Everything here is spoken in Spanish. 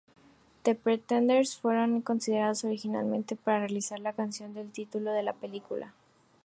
The Pretenders fueron considerados originalmente para realizar la canción del título de la película.